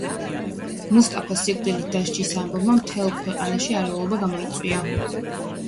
მუსტაფას სიკვდილით დასჯის ამბავმა მთელ ქვეყანაში არეულობა გამოიწვია.